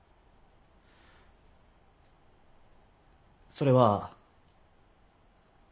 それは。